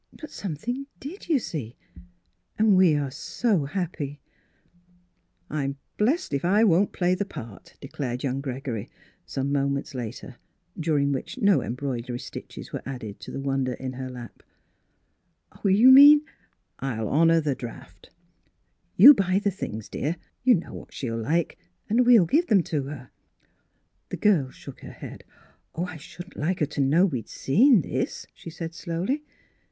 But some thing did, — you see, and we are so happy !"" I'm blessed if I won't play the part," declared young Gregory, some moments later, during which no embroidery stitches were added to the wonder in her lap. Miss Philura's Wedding Gown " You mean —?"" I'll honour the draft. You buy the things, dear, — you know what she'll like, and we'll give them to her." The girl shook her head. " I shouldn't like her to know we'd seen this," she said slowly.